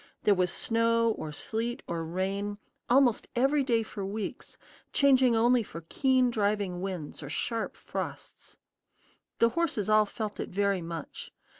There was snow, or sleet, or rain, almost every day for weeks, changing only for keen driving winds or sharp frosts. The horses all felt it very much.